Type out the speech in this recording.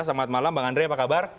selamat malam bang andre apa kabar